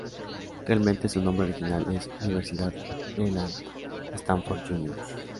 Realmente, su nombre original es Universidad Leland Stanford Junior.